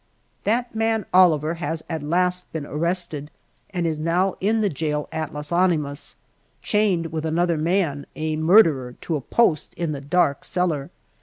That man Oliver has at last been arrested and is now in the jail at Las Animas, chained with another man a murderer to a post in the dark cellar.